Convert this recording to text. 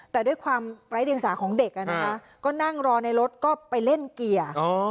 แต่ด้วยความไร้เดียงสาของเด็กก็นั่งรอในรถก็ไปเล่นเกียร์